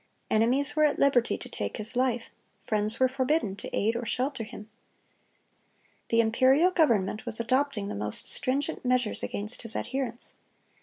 Enemies were at liberty to take his life; friends were forbidden to aid or shelter him. The imperial government was adopting the most stringent measures against his adherents.